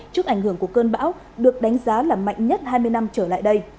trước ảnh hưởng của cơn bão được đánh giá là mạnh nhất hai mươi năm trở lại đây